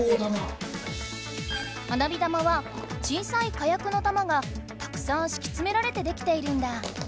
花火玉は小さい火薬の玉がたくさんしきつめられてできているんだ。